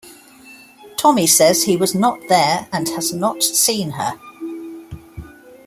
Tommy says he was not there and has not seen her.